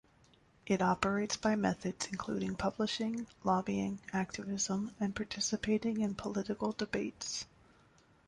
It operates by methods including publishing, lobbying, activism and participating in political debates.